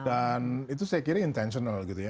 dan itu saya kira intentional gitu ya